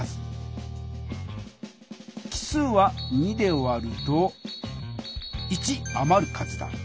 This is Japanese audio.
奇数は２で割ると１あまる数だ。